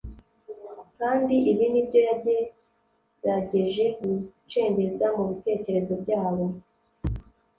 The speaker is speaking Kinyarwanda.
kandi ibi nibyo yagerageje gucengeza mu bitekerezo byabo.